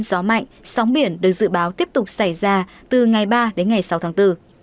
gió mạnh sóng biển được dự báo tiếp tục xảy ra từ ngày ba đến ngày sáu tháng bốn